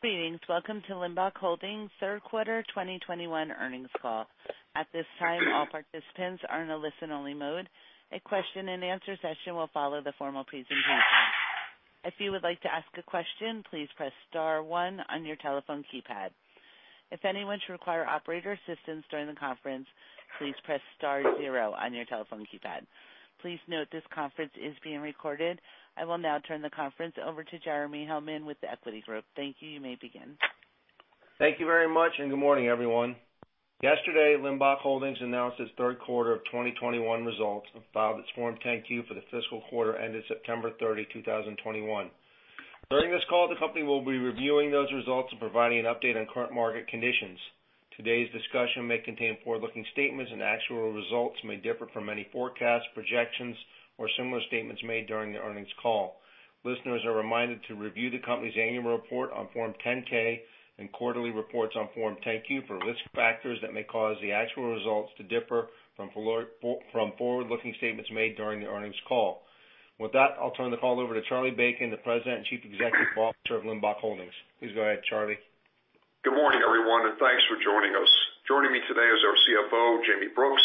Greetings. Welcome to Limbach Holdings third quarter 2021 earnings call. At this time, all participants are in a listen-only mode. A question-and-answer session will follow the formal presentation. If you would like to ask a question, please press star one on your telephone keypad. If anyone should require operator assistance during the conference, please press star zero on your telephone keypad. Please note this conference is being recorded. I will now turn the conference over to Jeremy Hellman with The Equity Group. Thank you. You may begin. Thank you very much, and good morning, everyone. Yesterday, Limbach Holdings announced its third quarter of 2021 results and filed its Form 10-Q for the fiscal quarter ending September 30, 2021. During this call, the company will be reviewing those results and providing an update on current market conditions. Today's discussion may contain forward-looking statements, and actual results may differ from any forecasts, projections, or similar statements made during the earnings call. Listeners are reminded to review the company's annual report on Form 10-K and quarterly reports on Form 10-Q for risk factors that may cause the actual results to differ from forward-looking statements made during the earnings call. With that, I'll turn the call over to Charlie Bacon, the President and Chief Executive Officer of Limbach Holdings. Please go ahead, Charlie. Good morning, everyone, and thanks for joining us. Joining me today is our CFO, Jayme Brooks,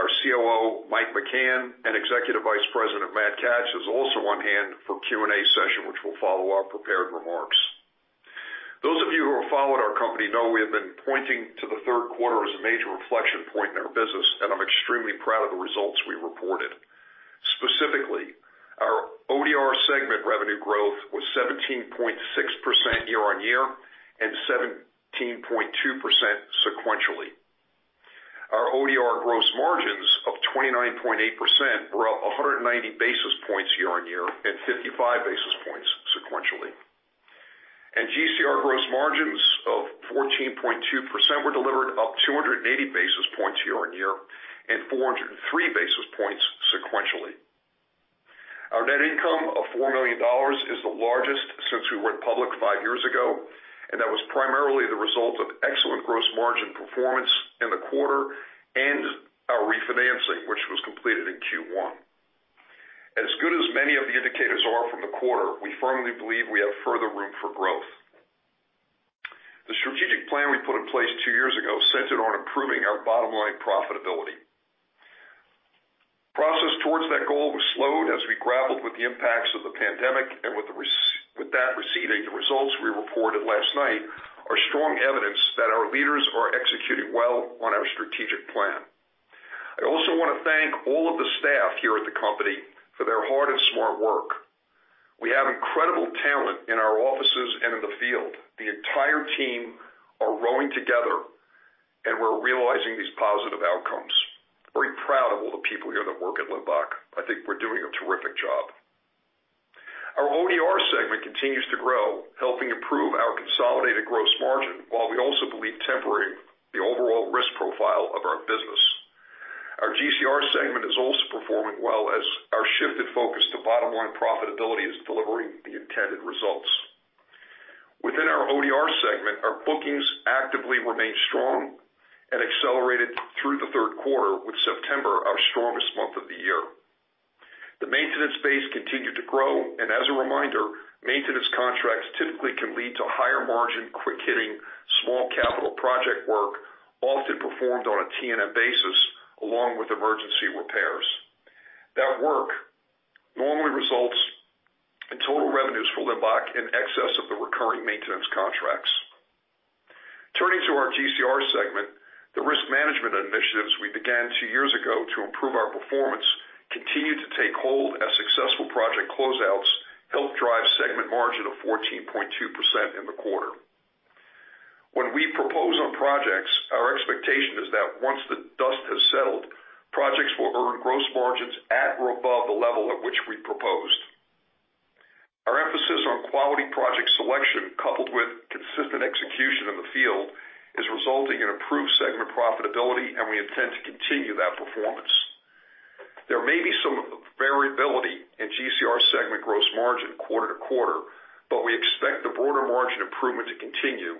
our COO, Mike McCann, and Executive Vice President Matt Kach is also on hand for Q&A session, which will follow our prepared remarks. Those of you who have followed our company know we have been pointing to the third quarter as a major inflection point in our business, and I'm extremely proud of the results we reported. Specifically, our ODR segment revenue growth was 17.6% year-on-year and 17.2% sequentially. Our ODR gross margins of 29.8% were up 190 basis points year-on-year and 55 basis points sequentially. GCR gross margins of 14.2% were delivered up 280 basis points year-on-year and 403 basis points sequentially. Our net income of $4 million is the largest since we went public five years ago, and that was primarily the result of excellent gross margin performance in the quarter and our refinancing, which was completed in Q1. As good as many of the indicators are from the quarter, we firmly believe we have further room for growth. The strategic plan we put in place two years ago centered on improving our bottom line profitability. Progress towards that goal was slowed as we grappled with the impacts of the pandemic and with that receding, the results we reported last night are strong evidence that our leaders are executing well on our strategic plan. I also wanna thank all of the staff here at the company for their hard and smart work. We have incredible talent in our offices and in the field. The entire team are rowing together, and we're realizing these positive outcomes. Very proud of all the people here that work at Limbach. I think we're doing a terrific job. Our ODR segment continues to grow, helping improve our consolidated gross margin, while we also believe tempering the overall risk profile of our business. Our GCR segment is also performing well as our shifted focus to bottom line profitability is delivering the intended results. Within our ODR segment, our bookings actively remained strong and accelerated through the third quarter, with September our strongest month of the year. The maintenance base continued to grow, and as a reminder, maintenance contracts typically can lead to higher margin, quick-hitting small capital project work, often performed on a T&M basis along with emergency repairs. That work normally results in total revenues for Limbach in excess of the recurring maintenance contracts. Turning to our GCR segment, the risk management initiatives we began two years ago to improve our performance continued to take hold as successful project closeouts helped drive segment margin of 14.2% in the quarter. When we propose on projects, our expectation is that once the dust has settled, projects will earn gross margins at or above the level at which we proposed. Our emphasis on quality project selection coupled with consistent execution in the field is resulting in improved segment profitability, and we intend to continue that performance. There may be some variability in GCR segment gross margin quarter-to-quarter, but we expect the broader margin improvement to continue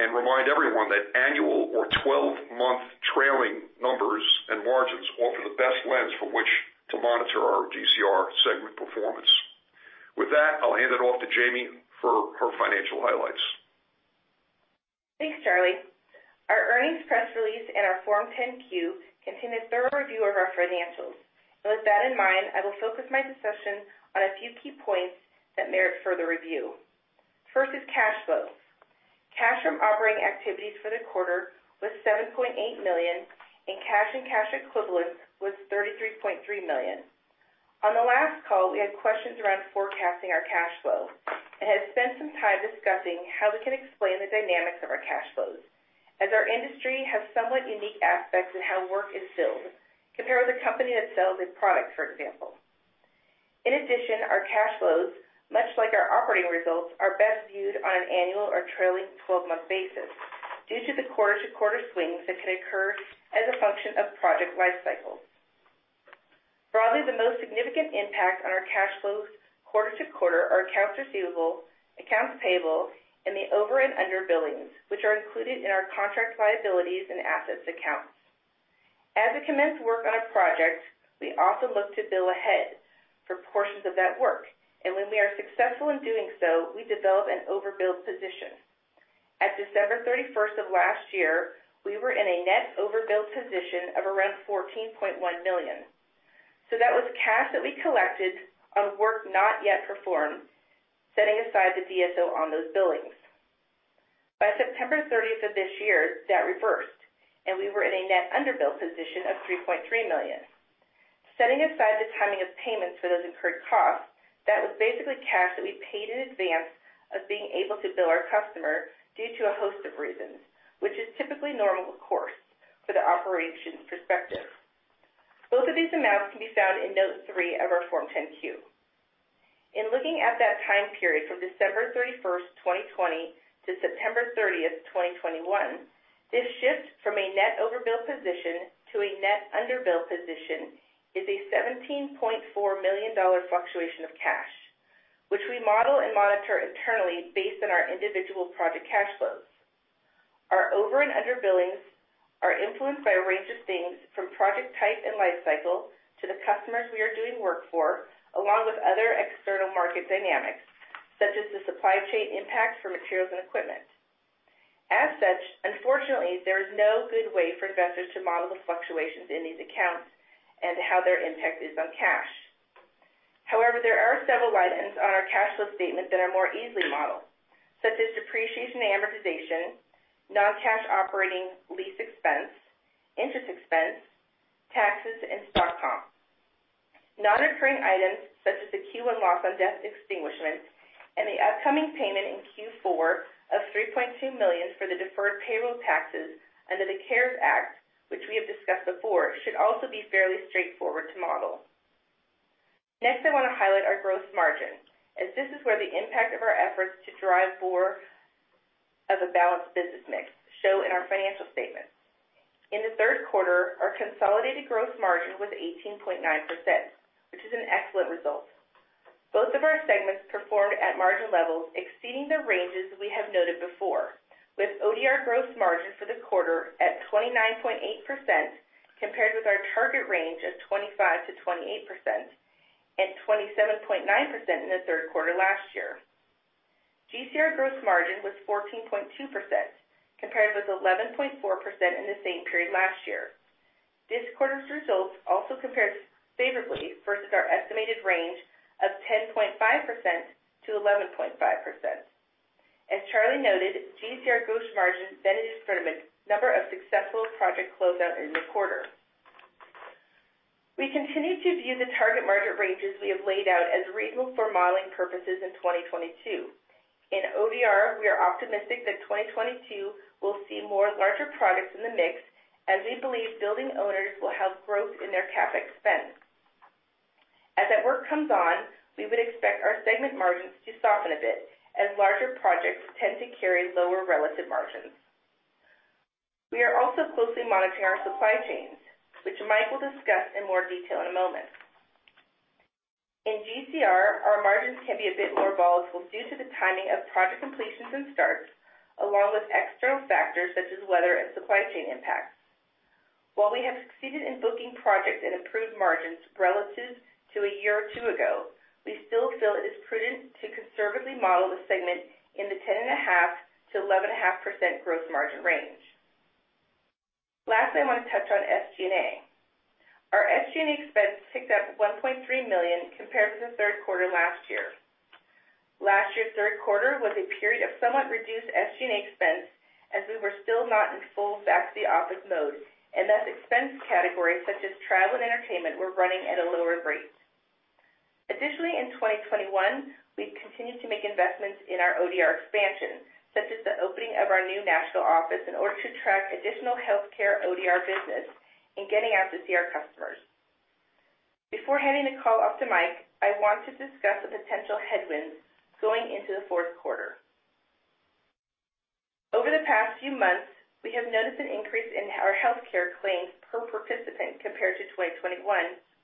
and remind everyone that annual or 12-month trailing numbers and margins offer the best lens for which to monitor our GCR segment performance. With that, I'll hand it off to Jayme for her financial highlights. Thanks, Charlie. Our earnings press release and our Form 10-Q contain a thorough review of our financials. With that in mind, I will focus my discussion on a few key points that merit further review. First is cash flow. Cash from operating activities for the quarter was $7.8 million, and cash and cash equivalents was $33.3 million. On the last call, we had questions around forecasting our cash flow and had spent some time discussing how we can explain the dynamics of our cash flows, as our industry has somewhat unique aspects in how work is billed compared with a company that sells a product, for example. In addition, our cash flows, much like our operating results, are best viewed on an annual or trailing twelve-month basis due to the quarter-to-quarter swings that can occur as a function of project life cycles. Broadly, the most significant impact on our cash flows quarter-to-quarter are accounts receivable, accounts payable, and the over and under billings, which are included in our contracts, liabilities, and assets accounts. As we commence work on a project, we often look to bill ahead for portions of that work. When we are successful in doing so, we develop an overbilled position. At December 31st of last year, we were in a net overbilled position of around $14.1 million. That was cash that we collected on work not yet performed, setting aside the DSO on those billings. By September 30th of this year, that reversed, and we were in a net underbilled position of $3.3 million. Setting aside the timing of payments for those incurred costs, that was basically cash that we paid in advance of being able to bill our customer due to a host of reasons, which is typically normal course for the operations perspective. Both of these amounts can be found in note three of our Form 10-Q. In looking at that time period from December 31, 2020 to September 30th, 2021, this shift from a net overbilled position to a net underbilled position is a $17.4 million fluctuation of cash, which we model and monitor internally based on our individual project cash flows. Our over and under billings are influenced by a range of things from project type and life cycle to the customers we are doing work for, along with other external market dynamics, such as the supply chain impact for materials and equipment. As such, unfortunately, there is no good way for investors to model the fluctuations in these accounts and how their impact is on cash. However, there are several items on our cash flow statement that are more easily modeled, such as depreciation and amortization, non-cash operating lease expense, interest expense, taxes, and stock comp. Non-recurring items such as the Q1 loss on debt extinguishment and the upcoming payment in Q4 of $3.2 million for the deferred payroll taxes under the CARES Act, which we have discussed before, should also be fairly straightforward to model. Next, I wanna highlight our gross margin, as this is where the impact of our efforts to drive more of a balanced business mix show in our financial statements. In the third quarter, our consolidated gross margin was 18.9%, which is an excellent result. Both of our segments performed at margin levels exceeding the ranges we have noted before with ODR gross margin for the quarter at 29.8% compared with our target range of 25%-28% and 27.9% in the third quarter last year. GCR gross margin was 14.2% compared with 11.4% in the same period last year. This quarter's results also compared favorably versus our estimated range of 10.5%-11.5%. As Charlie noted, GCR gross margin benefited from a number of successful project closeouts in the quarter. We continue to view the target margin ranges we have laid out as reasonable for modeling purposes in 2022. In ODR, we are optimistic that 2022 will see more larger projects in the mix as we believe building owners will have growth in their CapEx spend. As that work comes on, we would expect our segment margins to soften a bit as larger projects tend to carry lower relative margins. We are also closely monitoring our supply chains, which Mike will discuss in more detail in a moment. In GCR, our margins can be a bit more volatile due to the timing of project completions and starts, along with external factors such as weather and supply chain impacts. While we have succeeded in booking projects and improved margins relative to a year or two ago, we still feel it is prudent to conservatively model the segment in the 10.5%-11.5% gross margin range. Lastly, I wanna touch on SG&A. Our SG&A expense ticked up $1.3 million compared with the third quarter last year. Last year's third quarter was a period of somewhat reduced SG&A expense as we were still not in full back to the office mode, and thus expense categories such as travel and entertainment were running at a lower rate. Additionally, in 2021, we've continued to make investments in our ODR expansion, such as the opening of our new national office in order to attract additional healthcare ODR business in getting out to see our customers. Before handing the call off to Mike, I want to discuss the potential headwinds going into the fourth quarter. Over the past few months, we have noticed an increase in our healthcare claims per participant compared to 2021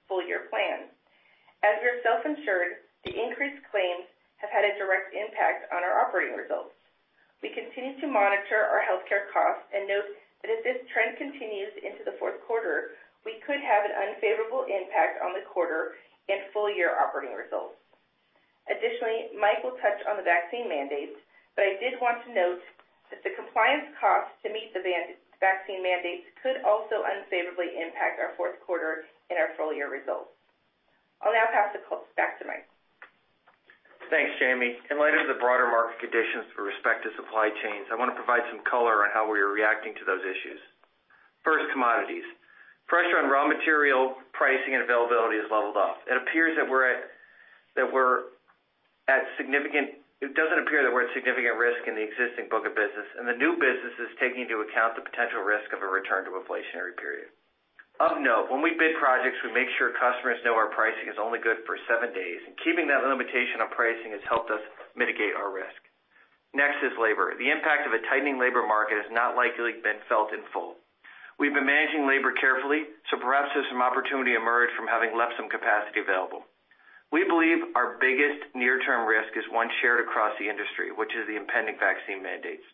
full year plan. As we are self-insured, the increased claims have had a direct impact on our operating results. We continue to monitor our healthcare costs and note that if this trend continues into the fourth quarter, we could have an unfavorable impact on the quarter and full year operating results. Additionally, Mike will touch on the vaccine mandates, but I did want to note that the compliance costs to meet the vaccine mandates could also unfavorably impact our fourth quarter and our full year results. I'll now pass the call back to Mike. Thanks, Jayme. In light of the broader market conditions with respect to supply chains, I wanna provide some color on how we are reacting to those issues. First, commodities. Pressure on raw material pricing and availability has leveled off. It doesn't appear that we're at significant risk in the existing book of business, and the new business is taking into account the potential risk of a return to inflationary period. Of note, when we bid projects, we make sure customers know our pricing is only good for seven days, and keeping that limitation on pricing has helped us mitigate our risk. Next is labor. The impact of a tightening labor market has not likely been felt in full. We've been managing labor carefully, so perhaps there's some opportunity emerged from having left some capacity available. We believe our biggest near-term risk is one shared across the industry, which is the impending vaccine mandates.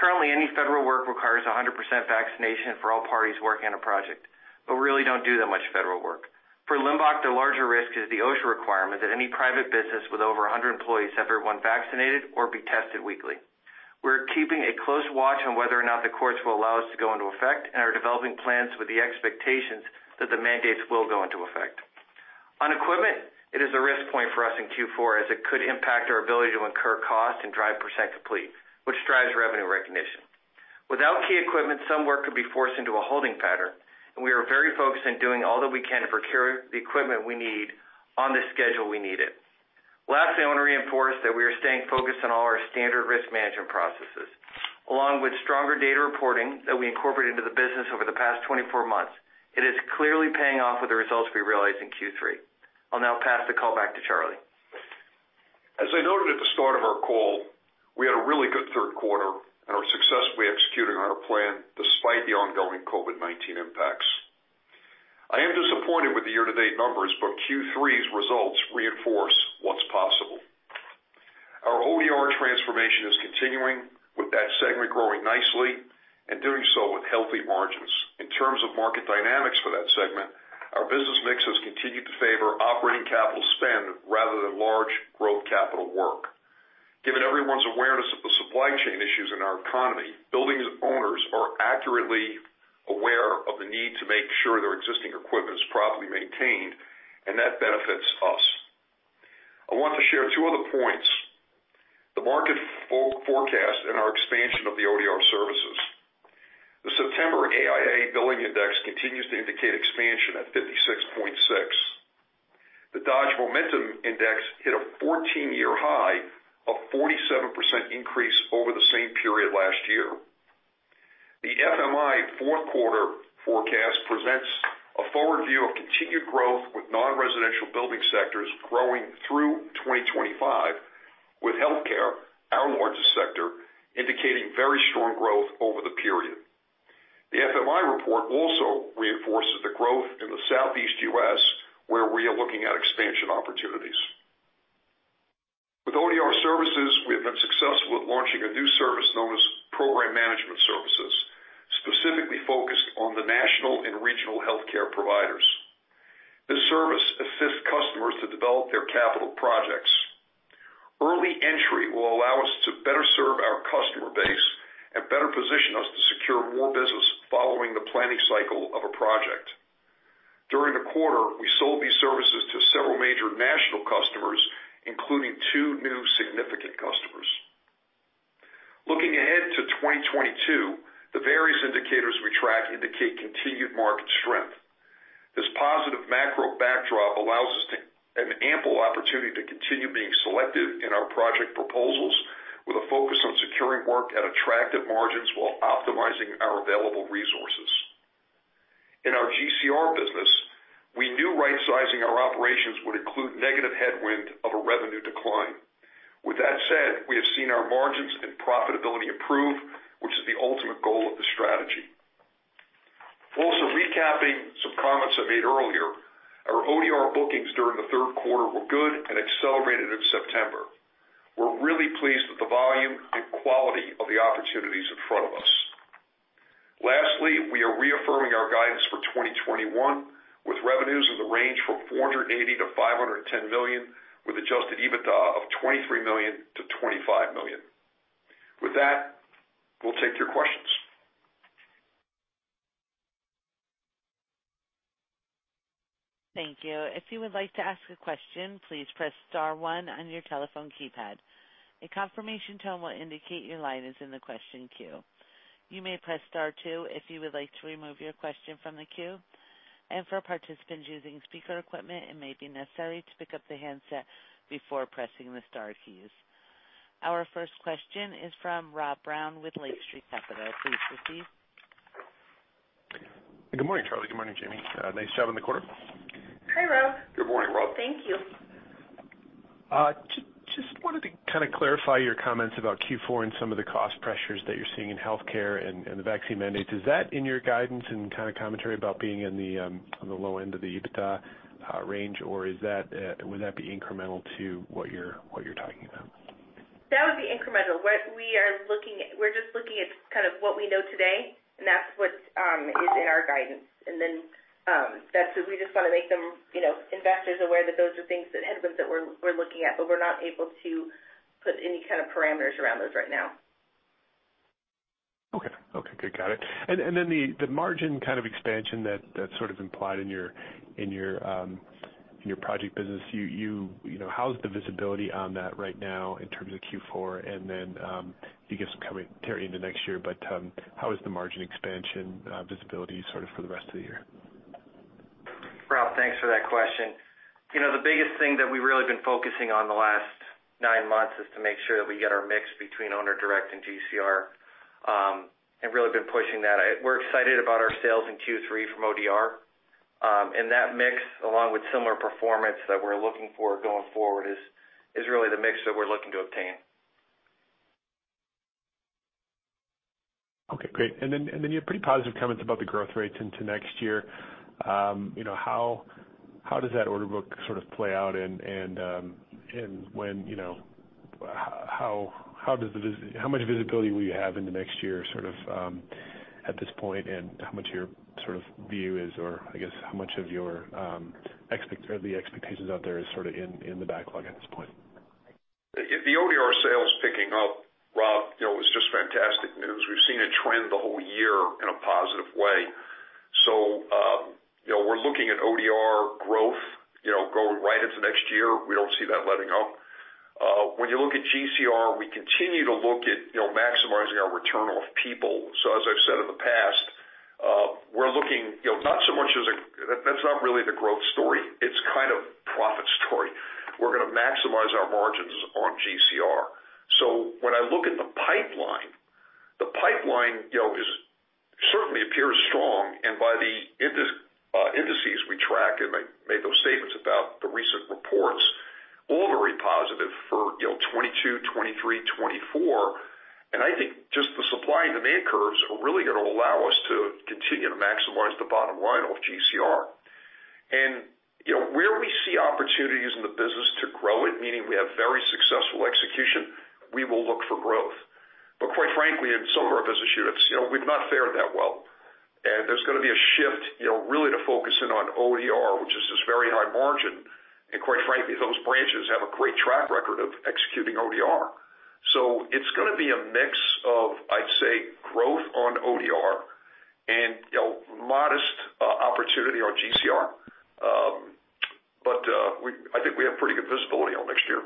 Currently, any federal work requires 100% vaccination for all parties working on a project, but we really don't do that much federal work. For Limbach, the larger risk is the OSHA requirement that any private business with over 100 employees have everyone vaccinated or be tested weekly. We're keeping a close watch on whether or not the courts will allow this to go into effect and are developing plans with the expectations that the mandates will go into effect. On equipment, it is a risk point for us in Q4, as it could impact our ability to incur cost and drive percent complete, which drives revenue recognition. Without key equipment, some work could be forced into a holding pattern, and we are very focused on doing all that we can to procure the equipment we need on the schedule we need it. Lastly, I wanna reinforce that we are staying focused on all our standard risk management processes, along with stronger data reporting that we incorporated into the business over the past 24 months. It is clearly paying off with the results we realized in Q3. I'll now pass the call back to Charlie. As I noted at the start of our call, we had a really good third quarter and are successfully executing on our plan despite the ongoing COVID-19 impacts. I am disappointed with the year-to-date numbers, but Q3's results reinforce what's possible. Our ODR transformation is continuing, with that segment growing nicely and doing so with healthy margins. In terms of market dynamics for that segment, our business mix has continued to favor operating capital spend rather than large growth capital work. Given everyone's awareness of the supply chain issues in our economy, building owners are accurately aware of the need to make sure their existing equipment is properly maintained, and that benefits us. I want to share two other points, the market forecast and our expansion of the ODR services. The September AIA Billing Index continues to indicate expansion at 56.6. The Dodge Momentum Index hit a 14-year high of 47% increase over the same period last year. The FMI fourth quarter forecast presents a forward view of continued growth with nonresidential building sectors growing through 2025, with healthcare, our largest sector, indicating very strong growth over the period. The FMI report also reinforces the growth in the Southeast U.S., where we are looking at expansion opportunities. With ODR services, we have been successful with launching a new service known as Program Management Services, specifically focused on the national and regional healthcare providers. This service assists customers to develop their capital projects. Early entry will allow us to better serve our customer base and better position us to secure more business following the planning cycle of a project. During the quarter, we sold these services to several major national customers, including two new significant customers. Looking ahead to 2022, the various indicators we track indicate continued market strength. This positive macro backdrop allows us an ample opportunity to continue being selective in our project proposals with a focus on securing work at attractive margins while optimizing our available resources. In our GCR business, we knew rightsizing our operations would include negative headwind of a revenue decline. With that said, we have seen our margins and profitability improve, which is the ultimate goal of the strategy. Also, recapping some comments I made earlier, our ODR bookings during the third quarter were good and accelerated in September. We're really pleased with the volume and quality of the opportunities in front of us. Lastly, we are reaffirming our guidance for 2021 with revenues in the range from $480 million-$510 million, with adjusted EBITDA of $23 million-$25 million. With that, we'll take your questions. Thank you. If you would like to ask a question, please press star one on your telephone keypad. A confirmation tone will indicate your line is in the question queue. You may press star two if you would like to remove your question from the queue. For participants using speaker equipment, it may be necessary to pick up the handset before pressing the star keys. Our first question is from Rob Brown with Lake Street Capital. Please proceed. Good morning, Charlie. Good morning, Jayme. Nice job on the quarter. Hi, Rob. Good morning, Rob. Thank you. Just wanted to kinda clarify your comments about Q4 and some of the cost pressures that you're seeing in healthcare and the vaccine mandates. Is that in your guidance and kinda commentary about being on the low end of the EBITDA range? Or would that be incremental to what you're talking about? That would be incremental. We're just looking at kind of what we know today, and that's what is in our guidance. That's it. We just wanna make them, you know, investors aware that those are headwinds that we're looking at, but we're not able to put any kind of parameters around those right now. Okay, good. Got it. The margin kind of expansion that's sort of implied in your project business. You know, how's the visibility on that right now in terms of Q4? If you give some commentary into next year, how is the margin expansion visibility sort of for the rest of the year? Rob, thanks for that question. You know, the biggest thing that we've really been focusing on the last nine months is to make sure that we get our mix between Owner Direct and GCR, and really been pushing that. We're excited about our sales in Q3 from ODR. That mix, along with similar performance that we're looking for going forward is really the mix that we're looking to obtain. Okay, great. You have pretty positive comments about the growth rates into next year. You know, how does that order book sort of play out and when, you know, how much visibility will you have in the next year, sort of, at this point, and how much of your sort of view is or I guess how much of your expectations out there is sort of in the backlog at this point? The ODR sale is picking up, Rob. You know, it's just fantastic news. We've seen a trend the whole year in a positive way. You know, we're looking at ODR growth, you know, going right into next year. We don't see that letting up. When you look at GCR, we continue to look at, you know, maximizing our return on people. As I've said in the past, we're looking, you know, not so much. That's not really the growth story. It's kind of profit story. We're gonna maximize our margins on GCR. When I look at the pipeline, the pipeline, you know, it certainly appears strong. By the indices we track, and I made those statements about the recent reports, all very positive for, you know, 2022, 2023, 2024. I think just the supply and demand curves are really gonna allow us to continue to maximize the bottom line off GCR. You know, where we see opportunities in the business to grow it, meaning we have very successful execution, we will look for growth. Quite frankly, in some of our business units, you know, we've not fared that well. There's gonna be a shift, you know, really to focus in on ODR, which is this very high margin. Quite frankly, those branches have a great track record of executing ODR. It's gonna be a mix of, I'd say, growth on ODR and, you know, modest, opportunity on GCR. I think we have pretty good visibility on next year.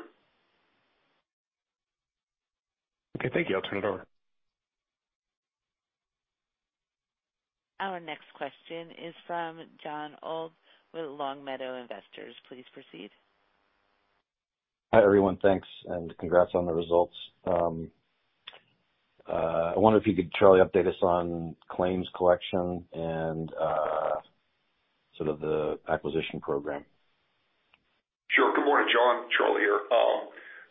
Okay, thank you. I'll turn it over. Our next question is from Jon Old with Longmeadow Investors. Please proceed. Hi, everyone. Thanks, and congrats on the results. I wonder if you could, Charlie, update us on claims collection and, sort of the acquisition program. Sure. Good morning, Jon. Charlie here,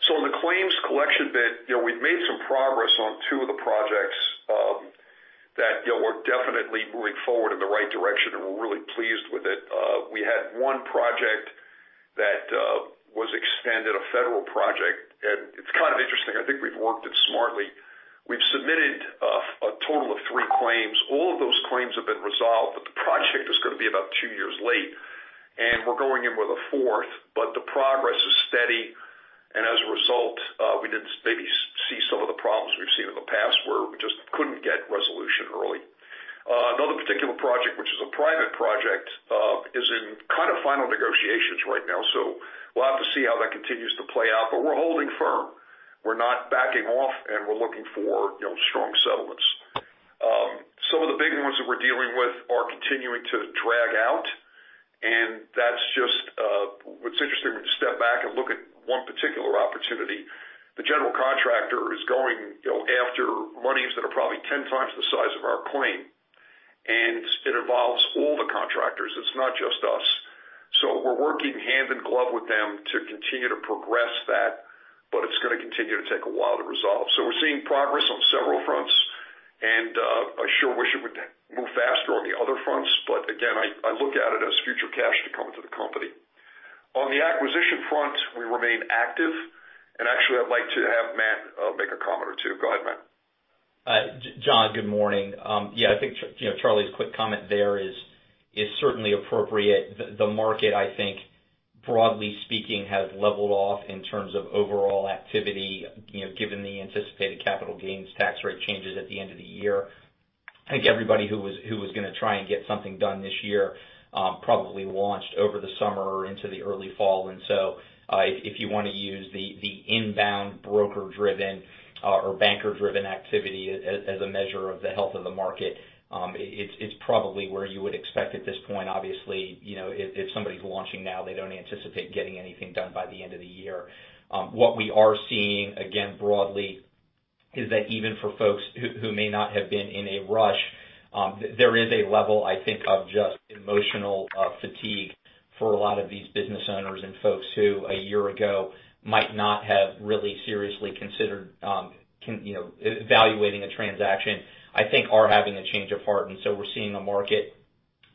so on the claims collection bit, you know, we've made some progress on two of the projects, that, you know, we're definitely moving forward in the right direction, and we're really pleased with it. We had one project that was extended, a federal project. It's kind of interesting. I think we've worked it smartly. We've submitted a total of three claims. All of those claims have been resolved, but the project is gonna be about two years late, and we're going in with a fourth. The progress is steady, and as a result, we didn't maybe see some of the problems we've seen in the past where we just couldn't get resolution early. Another particular project, which is a private project, is in kind of final negotiations right now, so we'll have to see how that continues to play out. We're holding firm. We're not backing off, and we're looking for, you know, strong settlements. Some of the big ones that we're dealing with are continuing to drag out, and that's just what's interesting when you step back and look at one particular opportunity. The general contractor is going, you know, after monies that are probably 10x the size of our claim, and it involves all the contractors. It's not just us. We're working hand in glove with them to continue to progress that, but it's gonna continue to take a while to resolve. We're seeing progress on several fronts. I sure wish it would move faster on the other fronts. Again, I look at it as future cash to come into the company. On the acquisition front, we remain active. Actually, I'd like to have Matt make a comment or two. Go ahead, Matt. Jon, good morning. Yeah, I think Charlie's quick comment there is certainly appropriate. The market, I think, broadly speaking, has leveled off in terms of overall activity, you know, given the anticipated capital gains tax rate changes at the end of the year. I think everybody who was gonna try and get something done this year probably launched over the summer or into the early fall. If you wanna use the inbound broker-driven or banker-driven activity as a measure of the health of the market, it's probably where you would expect at this point. Obviously, you know, if somebody's launching now, they don't anticipate getting anything done by the end of the year. What we are seeing, again, broadly, is that even for folks who may not have been in a rush, there is a level, I think, of just emotional fatigue for a lot of these business owners and folks who a year ago might not have really seriously considered you know, evaluating a transaction, I think are having a change of heart. We're seeing a market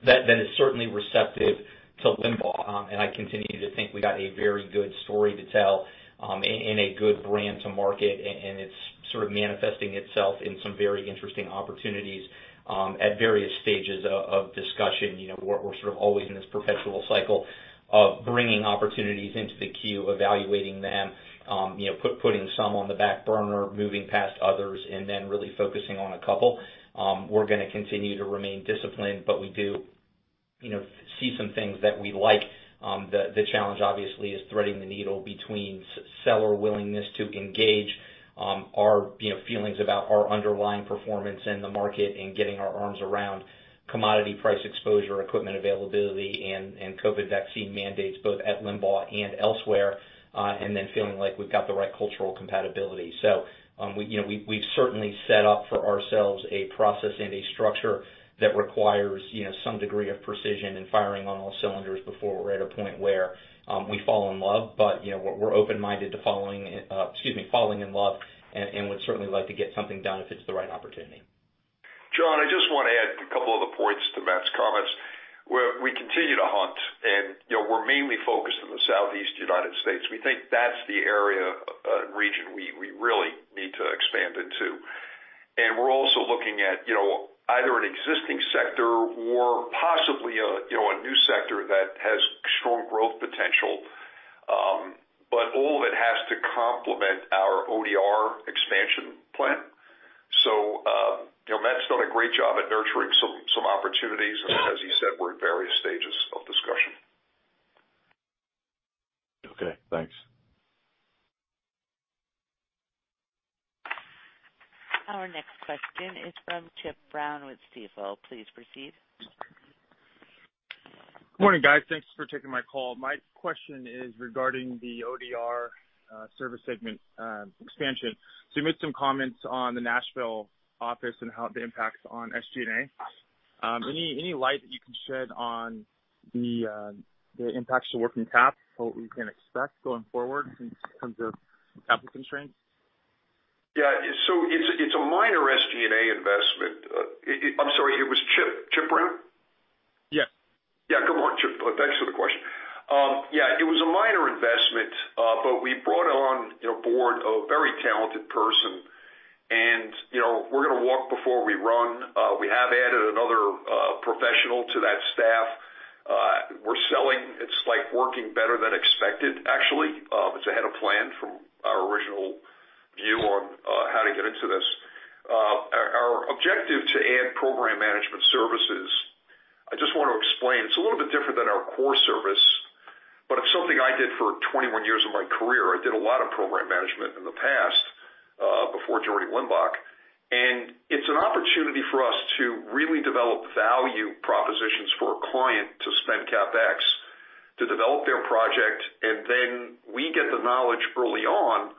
that is certainly receptive to Limbach. I continue to think we got a very good story to tell, and a good brand to market, and it's sort of manifesting itself in some very interesting opportunities at various stages of discussion. You know, we're sort of always in this perpetual cycle of bringing opportunities into the queue, evaluating them, you know, putting some on the back burner, moving past others, and then really focusing on a couple. We're gonna continue to remain disciplined, but we do, you know, see some things that we like. The challenge obviously is threading the needle between seller willingness to engage, our, you know, feelings about our underlying performance in the market and getting our arms around commodity price exposure, equipment availability, and COVID vaccine mandates both at Limbach and elsewhere, and then feeling like we've got the right cultural compatibility. We've certainly set up for ourselves a process and a structure that requires, you know, some degree of precision and firing on all cylinders before we're at a point where we fall in love. You know, we're open-minded to falling in love and would certainly like to get something done if it's the right opportunity. Jon, I just wanna add a couple other points to Matt's comments. We continue to hunt and, you know, we're mainly focused on the Southeast United States. We think that's the area, region we really need to expand into. We're also looking at, you know, either an existing sector or possibly a new sector that has strong growth potential, but all of it has to complement our ODR expansion plan. You know, Matt's done a great job at nurturing some opportunities. As he said, we're at various stages of discussion. Okay, thanks. Our next question is from Chip Brown with Stifel. Please proceed. Good morning, guys. Thanks for taking my call. My question is regarding the ODR service segment expansion. You made some comments on the Nashville office and how it impacts on SG&A. Any light that you can shed on the impacts to working cap, what we can expect going forward in terms of capital constraints? Yeah. It's a minor SG&A investment. I'm sorry, it was Chip Brown? Yeah. Yeah. Good morning, Chip. Thanks for the question. It was a minor investment, but we brought on board a very talented person. We're gonna walk before we run. We have added another professional to that staff. We're selling. It's working better than expected, actually. It's ahead of plan from our original view on how to get into this. Our objective to add program management services, I just want to explain, it's a little bit different than our core service, but it's something I did for 21 years of my career. I did a lot of program management in the past, before Jordy Lindbach. It's an opportunity for us to really develop value propositions for a client to spend CapEx to develop their project, and then we get the knowledge early on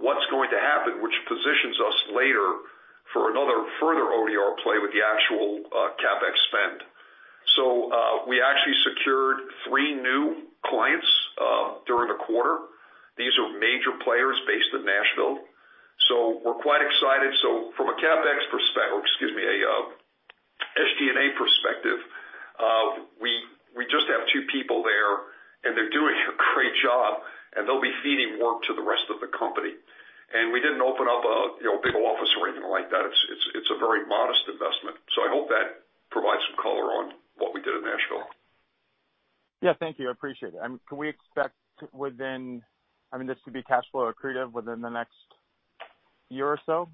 what's going to happen, which positions us later for another further ODR play with the actual CapEx spend. We actually secured three new clients during the quarter. These are major players based in Nashville. We're quite excited. From a SG&A perspective, we just have two people there, and they're doing a great job, and they'll be feeding work to the rest of the company. We didn't open up a you know big office or anything like that. It's a very modest investment. I hope that provides some color on what we did in Nashville. Yeah, thank you. I appreciate it. Can we expect, I mean this to be cash flow accretive within the next year or so?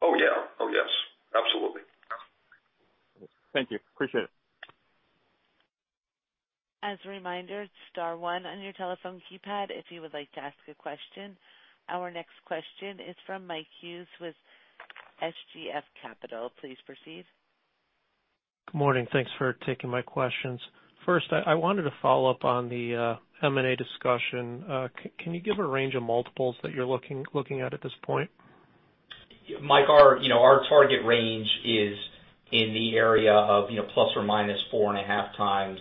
Oh, yeah. Oh, yes. Absolutely. Thank you. Appreciate it. As a reminder, star one on your telephone keypad if you would like to ask a question. Our next question is from Mike Hughes with SGF Capital. Please proceed. Good morning. Thanks for taking my questions. First, I wanted to follow up on the M&A discussion. Can you give a range of multiples that you're looking at this point? Mike, our target range is in the area of, you know, ±4.5x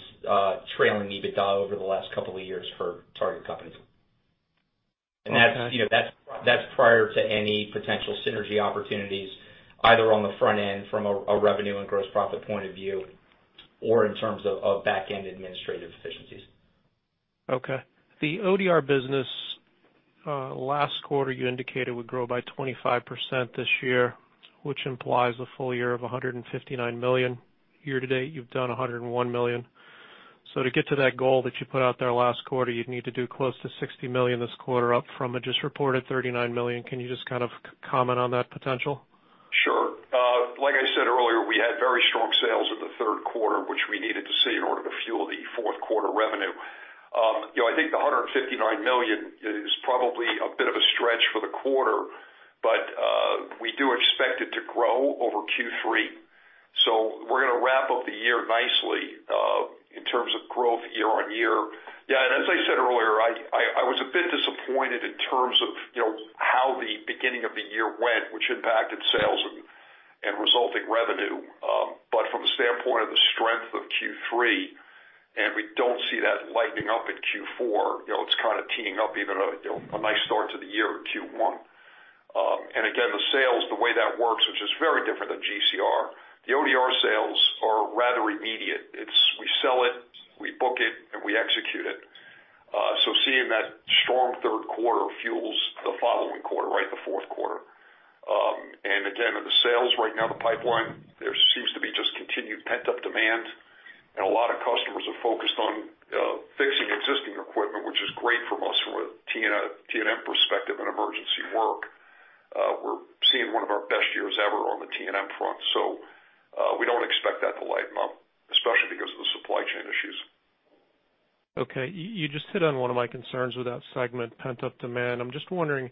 trailing EBITDA over the last couple of years for target companies. That's, you know, prior to any potential synergy opportunities, either on the front end from a revenue and gross profit point of view or in terms of backend administrative efficiencies. Okay. The ODR business last quarter you indicated would grow by 25% this year, which implies a full year of $159 million. Year-to-date, you've done $101 million. To get to that goal that you put out there last quarter, you'd need to do close to $60 million this quarter, up from a just reported $39 million. Can you just kind of comment on that potential? Sure. Like I said earlier, we had very strong sales in the third quarter, which we needed to see in order to fuel the fourth quarter revenue. You know, I think the $159 million is probably a bit of a stretch for the quarter, but we do expect it to grow over Q3, so we're gonna wrap up the year nicely in terms of growth year-over-year. Yeah, and as I said earlier, I was a bit disappointed in terms of you know, how the beginning of the year went, which impacted sales and resulting revenue, but from the standpoint of the strength of Q3, and we don't see that letting up in Q4, you know, it's kinda teeing up even a nice start to the year with Q1. The sales, the way that works, which is very different than GCR. The ODR sales are rather immediate. It's we sell it, we book it, and we execute it. Seeing that strong third quarter fuels the following quarter, right? The fourth quarter. On the sales right now, the pipeline there seems to be just continued pent-up demand. A lot of customers are focused on fixing existing equipment, which is great for us from a T&M perspective and emergency work. We're seeing one of our best years ever on the T&M front. We don't expect that to lighten up, especially because of the supply chain issues. Okay. You just hit on one of my concerns with that segment, pent-up demand. I'm just wondering,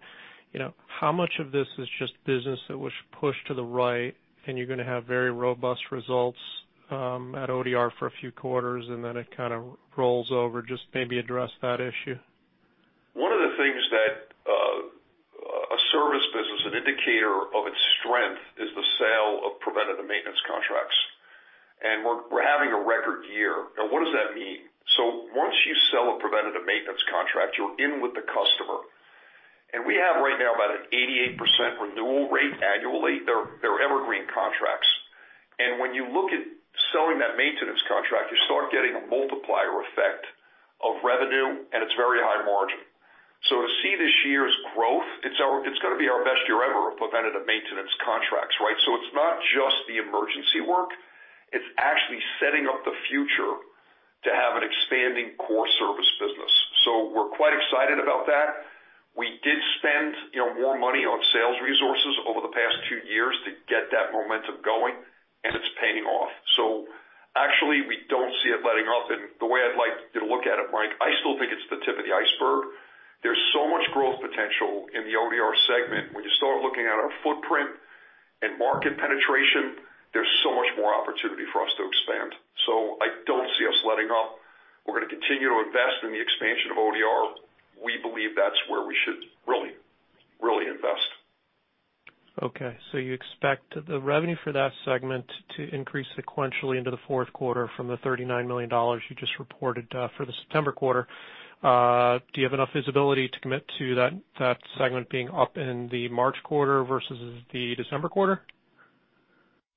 you know, how much of this is just business that was pushed to the right and you're gonna have very robust results at ODR for a few quarters, and then it kind of rolls over? Just maybe address that issue. One of the things that a service business, an indicator of its strength, is the sale of preventative maintenance contracts. We're having a record year. Now, what does that mean? Once you sell a preventative maintenance contract, you're in with the customer. We have right now about an 88% renewal rate annually. They're evergreen contracts. When you look at selling that maintenance contract, you start getting a multiplier effect of revenue, and it's very high margin. To see this year's growth, it's gonna be our best year ever of preventative maintenance contracts, right? It's not just the emergency work, it's actually setting up the future to have an expanding core service business. We're quite excited about that. We did spend, you know, more money on sales resources over the past two years to get that momentum going, and it's paying off. Actually, we don't see it letting up. The way I'd like you to look at it, Mike, I still think it's the tip of the iceberg. There's so much growth potential in the ODR segment. When you start looking at our footprint and market penetration, there's so much more opportunity for us to expand. I don't see us letting up. We're gonna continue to invest in the expansion of ODR. We believe that's where we should really, really invest. Okay. You expect the revenue for that segment to increase sequentially into the fourth quarter from the $39 million you just reported for the September quarter. Do you have enough visibility to commit to that segment being up in the March quarter versus the December quarter?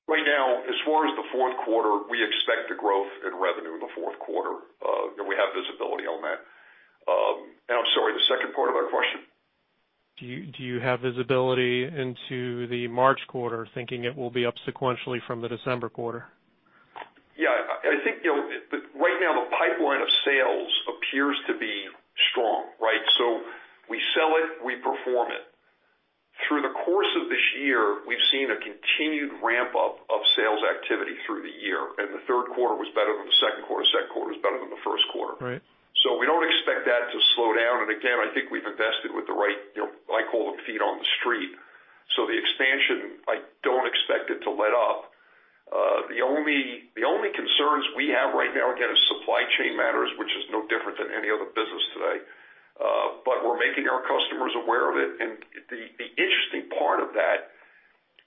Right now, as far as the fourth quarter, we expect a growth in revenue in the fourth quarter, and we have visibility on that, and I'm sorry, the second part of that question. Do you have visibility into the March quarter thinking it will be up sequentially from the December quarter? Yeah. I think, you know, right now the pipeline of sales appears to be strong, right? We sell it, we perform it. Through the course of this year, we've seen a continued ramp up of sales activity through the year, and the third quarter was better than the second quarter, second quarter was better than the first quarter. Right. We don't expect that to slow down. Again, I think we've invested with the right, you know, I call them feet on the street. The expansion, I don't expect it to let up. The only concerns we have right now, again, is supply chain matters, which is no different than any other business today. We're making our customers aware of it. The interesting part of that,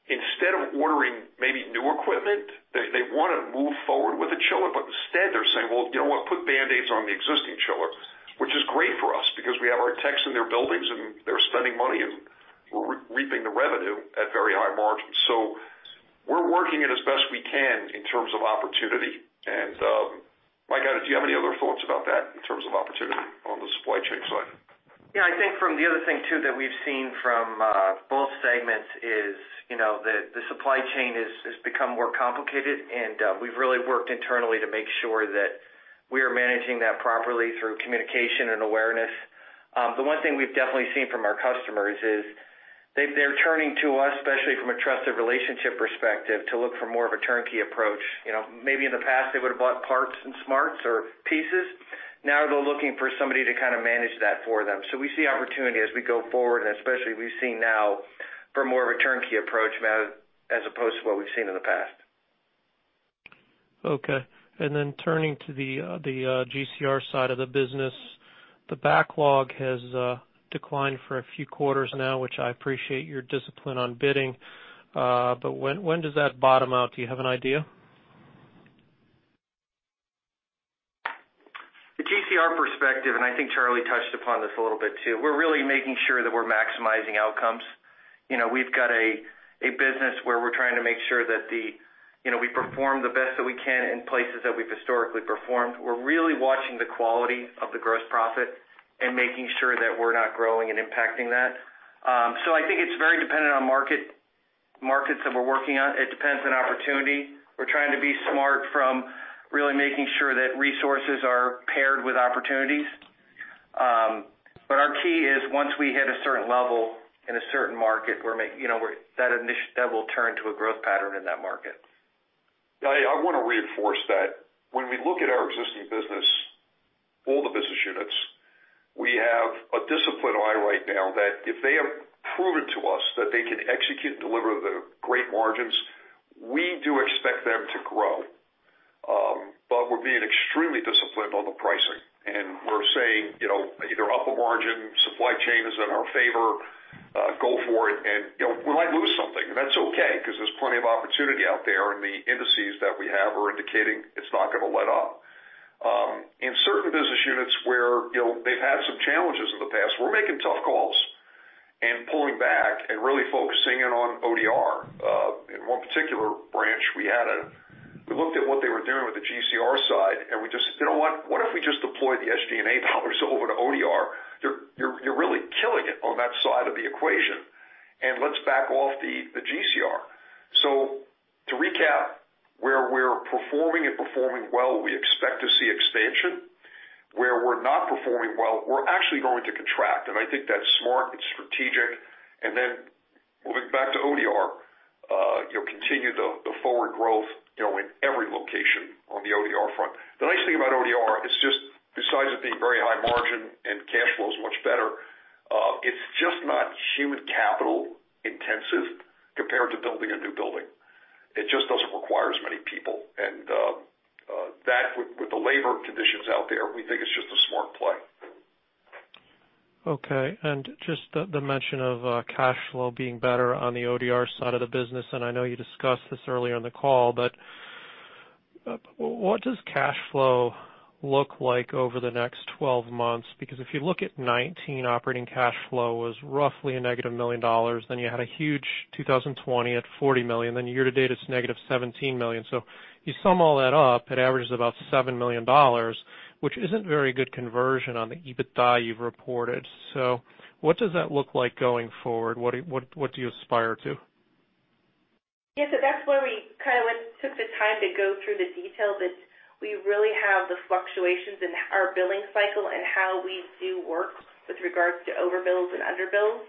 instead of ordering maybe new equipment, they wanna move forward with the chiller, but instead they're saying, "Well, you know what? Put Band-Aids on the existing chiller." Which is great for us because we have our techs in their buildings and they're spending money and we're reaping the revenue at very high margins. We're working it as best we can in terms of opportunity. Mike, do you have any other thoughts about that in terms of opportunity on the supply chain side? Yeah. I think from the other thing too that we've seen from both segments is, you know, the supply chain has become more complicated and we've really worked internally to make sure that we are managing that properly through communication and awareness. The one thing we've definitely seen from our customers is they're turning to us, especially from a trusted relationship perspective, to look for more of a turnkey approach. You know, maybe in the past they would've bought parts and smarts or pieces, now they're looking for somebody to kinda manage that for them. We see opportunity as we go forward, and especially we've seen now for more of a turnkey approach now as opposed to what we've seen in the past. Okay. Turning to the GCR side of the business, the backlog has declined for a few quarters now, which I appreciate your discipline on bidding. When does that bottom out? Do you have an idea? The GCR perspective, and I think Charlie touched upon this a little bit too. We're really making sure that we're maximizing outcomes. You know, we've got a business where we're trying to make sure that we perform the best that we can in places that we've historically performed. We're really watching the quality of the gross profit and making sure that we're not growing and impacting that. I think it's very dependent on market, markets that we're working on. It depends on opportunity. We're trying to be smart from really making sure that resources are paired with opportunities. Our key is once we hit a certain level in a certain market, that will turn to a growth pattern in that market. I wanna reinforce that. When we look at our existing business, all the business units, we have a disciplined eye right now that if they have proven to us that they can execute and deliver the great margins, we do expect them to grow. We're being extremely disciplined on the pricing. We're saying, you know, either up a margin, supply chain is in our favor, go for it. We might lose something, and that's okay 'cause there's plenty of opportunity out there, and the indices that we have are indicating it's not gonna let up. In certain business units where, you know, they've had some challenges in the past, we're making tough calls and pulling back and really focusing in on ODR. In one particular branch we had a... We looked at what they were doing with the GCR side and we just said, "You know what? What if we just deploy the SG&A dollars over to ODR? You're really killing it on that side of the equation, and let's back off the GCR." To recap, where we're performing well, we expect to see expansion. Where we're not performing well, we're actually going to contract, and I think that's smart, it's strategic. Then moving back to ODR, you know, continue the forward growth, you know, in every location on the ODR front. The nice thing about ODR is just besides it being very high margin and cash flow is much better, it's just not human capital intensive compared to building a new building. It just doesn't require as many people. The labor conditions out there, we think it's just a smart play. Okay. Just the mention of cash flow being better on the ODR side of the business, and I know you discussed this earlier in the call, but what does cash flow look like over the next twelve months? Because if you look at 2019 operating cash flow was roughly negative $1 million, then you had a huge 2020 at $40 million, then year-to-ate it's negative $17 million. You sum all that up, it averages about $7 million, which isn't very good conversion on the EBITDA you've reported. What does that look like going forward? What do you aspire to? Yeah, that's why we kind of took the time to go through the detail that we really have the fluctuations in our billing cycle and how we do work with regards to over bills and under bills.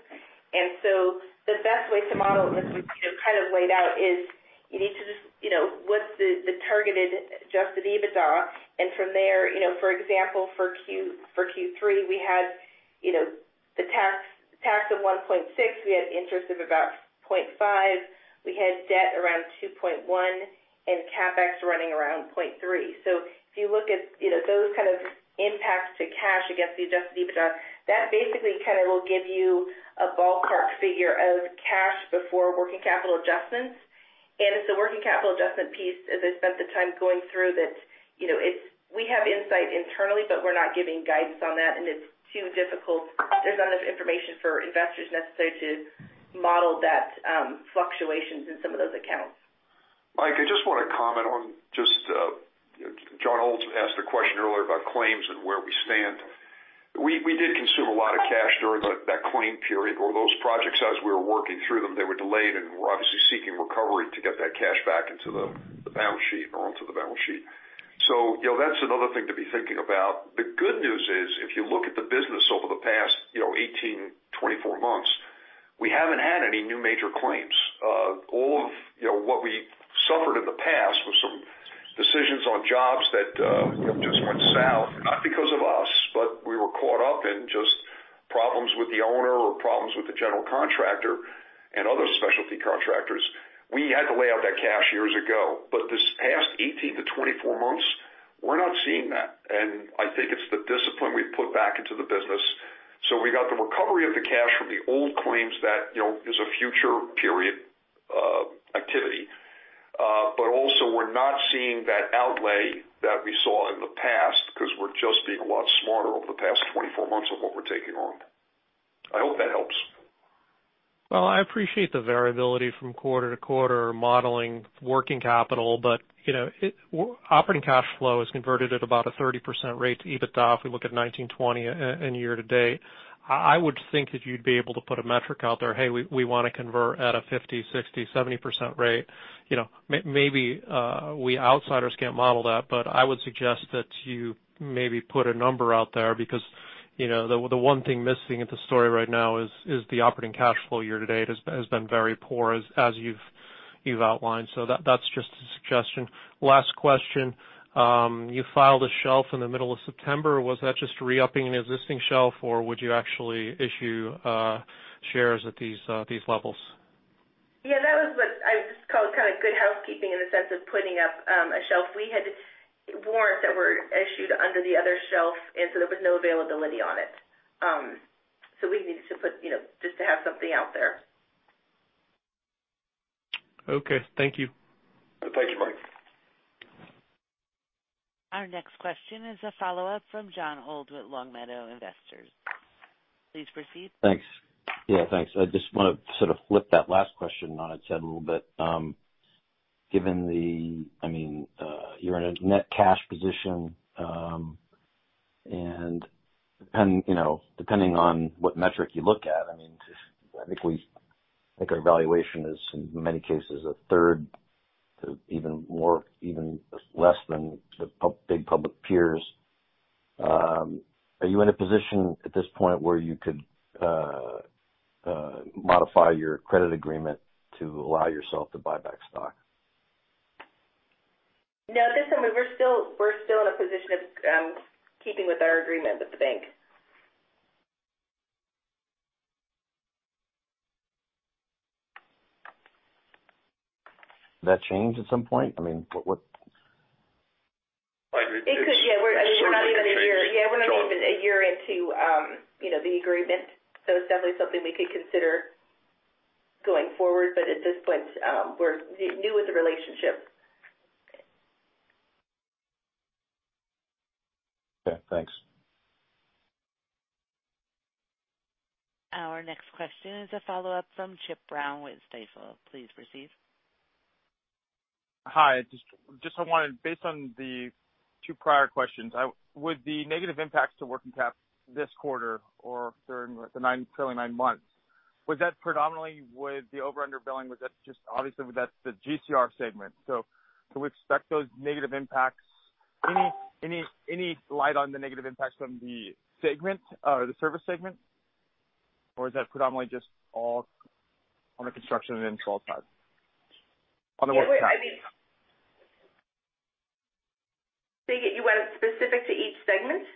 The best way to model, as we, you know, kind of laid out, is you need to just, you know, what's the targeted adjusted EBITDA. From there, you know, for example, for Q3, we had, you know, the tax of $1.6, we had interest of about $0.5. We had debt around $2.1 and CapEx running around $0.3. If you look at, you know, those kind of impacts to cash against the adjusted EBITDA, that basically kind of will give you a ballpark figure of cash before working capital adjustments. It's the working capital adjustment piece, as I spent the time going through that, you know, it's we have insight internally, but we're not giving guidance on that and it's too difficult. There's not enough information for investors necessary to model that, fluctuations in some of those accounts. Mike, I just wanna comment on just Jon Old asked a question earlier about claims and where we stand. We did consume a lot of cash during that claim period, or those projects as we were working through them. They were delayed, and we're obviously seeking recovery to get that cash back into the balance sheet or onto the balance sheet. You know, that's another thing to be thinking about. The good news is, if you look at the business over the past, you know, 18-24 months, we haven't had any new major claims. All of, you know, what we suffered in the past was some decisions on jobs that, you know, just went south, not because of us, but we were caught up in just problems with the owner or problems with the general contractor and other specialty contractors. We had to lay out that cash years ago. This past 18-24 months, we're not seeing that. I think it's the discipline we've put back into the business. We got the recovery of the cash from the old claims that, you know, is a future period activity, but also we're not seeing that outlay that we saw in the past 'cause we're just being a lot smarter over the past 24 months of what we're taking on. I hope that helps. Well, I appreciate the variability from quarter-to-quarter modeling working capital, but, you know, operating cash flow is converted at about a 30% rate to EBITDA if we look at 2019 and 2020 and year-to-date. I would think that you'd be able to put a metric out there, "Hey, we wanna convert at a 50, 60, 70% rate." You know, maybe we outsiders can't model that, but I would suggest that you maybe put a number out there because, you know, the one thing missing in the story right now is the operating cash flow year-to-date has been very poor as you've outlined. That's just a suggestion. Last question. You filed a shelf in the middle of September. Was that just re-upping an existing shelf, or would you actually issue shares at these levels? Yeah, that was what I just call kind of good housekeeping in the sense of putting up a shelf. We had warrants that were issued under the other shelf, and so there was no availability on it. We needed to put, you know, just to have something out there. Okay, thank you. Thank you, Mike. Our next question is a follow-up from Jon Old with Longmeadow Investors. Please proceed. Thanks. Yeah, thanks. I just wanna sort of flip that last question on its head a little bit. Given the, I mean, you're in a net cash position, and, you know, depending on what metric you look at, I mean, I think our valuation is in many cases a third to even more, even less than the big public peers. Are you in a position at this point where you could modify your credit agreement to allow yourself to buy back stock? No, at this point, we're still in a position of keeping with our agreement with the bank. Will that change at some point? I mean, what- Mike, it's- It could, yeah. I mean, we're not even a year- It certainly could change. Yeah, we're not even a year into, you know, the agreement, so it's definitely something we could consider going forward. At this point, we're new with the relationship. Okay, thanks. Our next question is a follow-up from Chip Brown with Stifel. Please proceed. Hi. Just I wanted based on the two prior questions, would the negative impacts to working cap this quarter or during the trailing nine months, was that predominantly with the over/under billing? Was that just obviously, that's the GCR segment. Can we expect those negative impacts? Any light on the negative impacts from the segment or the service segment? Or is that predominantly just all on the construction and install side on the working cap? Yeah. Wait, I mean, say it, you want it specific to each segment?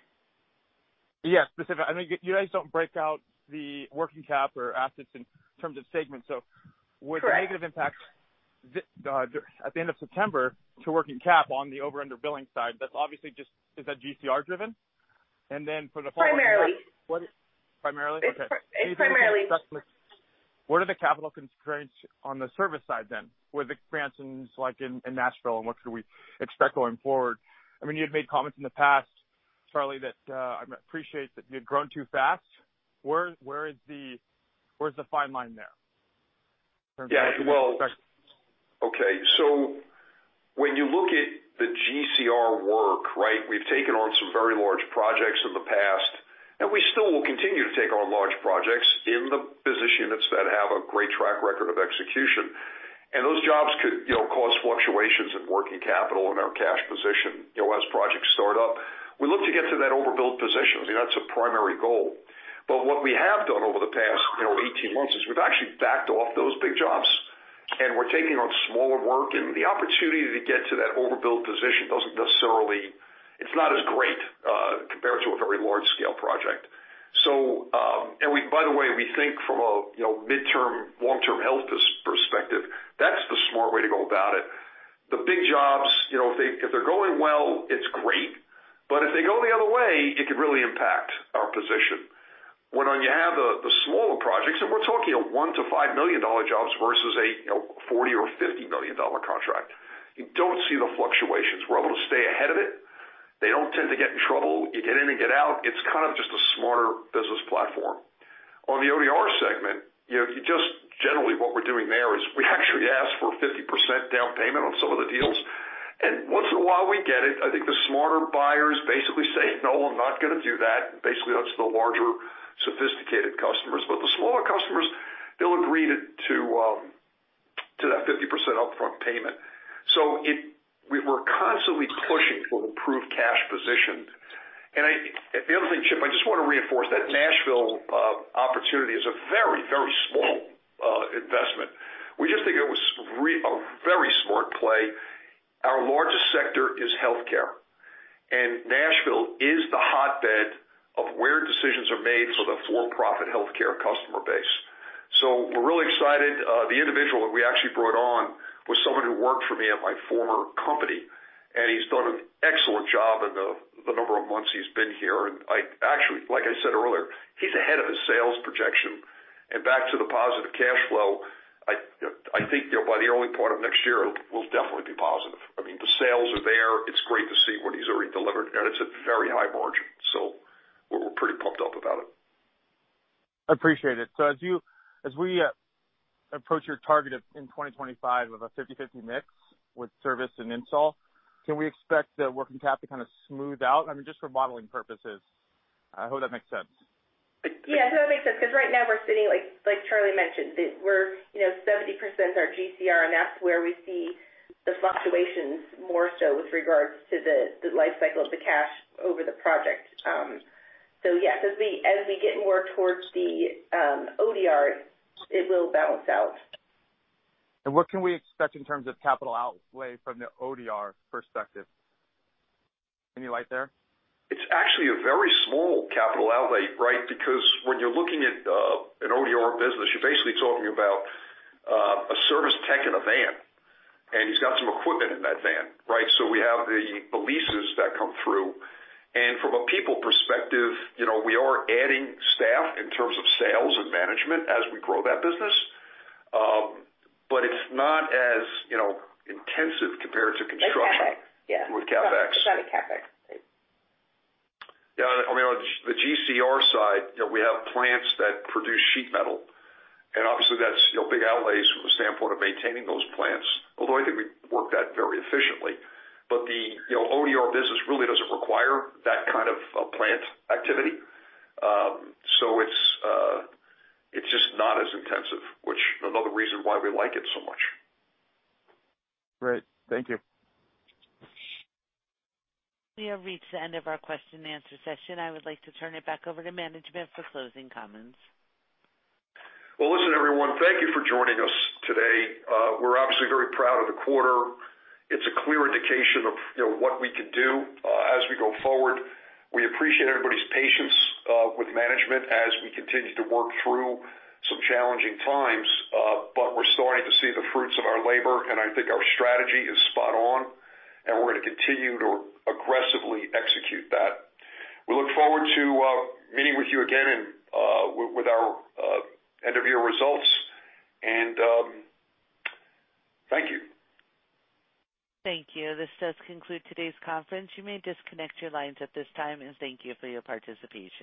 Yes, specific. I think you guys don't break out the working cap or assets in terms of segments. Correct. With the negative impact at the end of September to working cap on the over/under billing side, that's obviously just. Is that GCR driven? for the- Primarily. What? Primarily? Okay. It's primarily. What are the capital constraints on the service side then with expansions like in Nashville and what should we expect going forward? I mean, you had made comments in the past, Charlie, that I appreciate that you had grown too fast. Where is the fine line there in terms of Yeah. Well, okay. When you look at the GCR work, right, we've taken on some very large projects in the past, and we still will continue to take on large projects in the business units that have a great track record of execution. Those jobs could, you know, cause fluctuations in working capital in our cash position, you know, as projects start up. We look to get to that overbilled position. I mean, that's a primary goal. What we have done over the past, you know, 18 months is we've actually backed off those big jobs, and we're taking on smaller work. The opportunity to get to that overbilled position doesn't necessarily. It's not as great compared to a very large scale project. By the way, we think from a, you know, midterm, long-term health perspective, that's the smart way to go about it. The big jobs, you know, if they're going well, it's great, but if they go the other way, it could really impact our position. When you have the smaller projects, and we're talking $1 million-$5 million jobs versus a, you know, $40 million or $50 million contract, you don't see the fluctuations. We're able to stay ahead of it. They don't tend to get in trouble. You get in and get out. It's kind of just a smarter business platform. On the ODR segment, you know, you just generally what we're doing there is we actually ask for 50% down payment on some of the deals. Once in a while we get it. I think the smarter buyers basically say, "No, I'm not gonna do that." Basically, that's the larger, sophisticated customers. The smaller customers, they'll agree to that 50% upfront payment. We're constantly pushing to improve cash position. The other thing, Chip, I just wanna reinforce, that Nashville opportunity is a very, very small investment. We just think it was a very smart play. Our largest sector is healthcare, and Nashville is the hotbed of where decisions are made for the for-profit healthcare customer base. We're really excited. The individual that we actually brought on was someone who worked for me at my former company, and he's done an excellent job in the number of months he's been here. Like I said earlier, he's ahead of his sales projection. Back to the positive cash flow, I think, you know, by the early part of next year, it will definitely be positive. I mean, the sales are there. It's great to see what he's already delivered, and it's at very high margin. We're pretty pumped up about it. I appreciate it. As we approach your target of in 2025 with a 50/50 mix with service and install, can we expect the working cap to kind of smooth out? I mean, just for modeling purposes. I hope that makes sense. Yeah, that makes sense, because right now we're sitting, like Charlie mentioned, we're, you know, 70% are GCR, and that's where we see the fluctuations more so with regards to the life cycle of the cash over the project. Yeah, as we get more towards the ODR, it will balance out. What can we expect in terms of capital outlay from the ODR perspective? Any light there? It's actually a very small capital outlay, right? Because when you're looking at an ODR business, you're basically talking about a service tech in a van, and he's got some equipment in that van, right? So we have the leases that come through. From a people perspective, you know, we are adding staff in terms of sales and management as we grow that business, but it's not as, you know, intensive compared to construction. The CapEx. Yeah. With CapEx. It's not a CapEx. Yeah. I mean, on the GCR side, you know, we have plants that produce sheet metal, and obviously that's, you know, big outlays from the standpoint of maintaining those plants, although I think we work that very efficiently. The, you know, ODR business really doesn't require that kind of plant activity. It's just not as intensive, which another reason why we like it so much. Great. Thank you. We have reached the end of our question and answer session. I would like to turn it back over to management for closing comments. Well, listen, everyone, thank you for joining us today. We're obviously very proud of the quarter. It's a clear indication of, you know, what we can do as we go forward. We appreciate everybody's patience with management as we continue to work through some challenging times, but we're starting to see the fruits of our labor, and I think our strategy is spot on, and we're gonna continue to aggressively execute that. We look forward to meeting with you again and with our end of year results and thank you. Thank you. This does conclude today's conference. You may disconnect your lines at this time, and thank you for your participation.